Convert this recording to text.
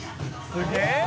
「すげえ！